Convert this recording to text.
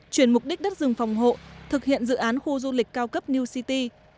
chuyển mục đích đất rừng phòng hộ thực hiện dự án khu du lịch cao cấp new city